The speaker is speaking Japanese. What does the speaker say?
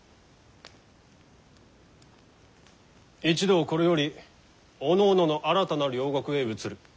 一同これよりおのおのの新たな領国へ移る。